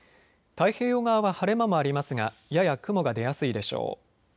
太平洋側は晴れ間もありますがやや雲が出やすいでしょう。